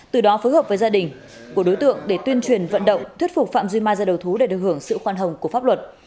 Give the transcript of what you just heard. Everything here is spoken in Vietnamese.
từ đó phối hợp với gia đình của đối tượng để tuyên truyền vận động thuyết phục phạm duy mai ra đầu thú để được hưởng sự khoan hồng của pháp luật